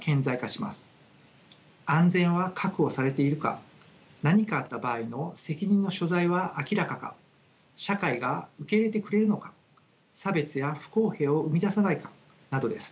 安全は確保されているか何かあった場合の責任の所在は明らかか社会が受け入れてくれるのか差別や不公平を生み出さないかなどです。